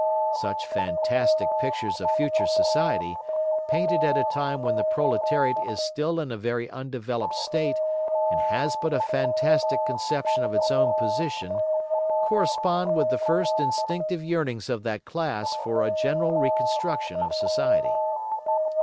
Such fantastic pictures of future society, painted at a time when the proletariat is still in a very undeveloped state and has but a fantastic conception of its own position correspond with the first instinctive yearnings of that class for a general reconstruction of society.